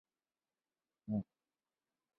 圆齿假瘤蕨为水龙骨科假瘤蕨属下的一个种。